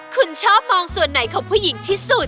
คุณชอบมองส่วนไหนของผู้หญิงที่สุด